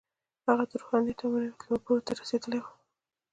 دا هغه د روحانیت او معنویت لوړو پوړیو ته رسوي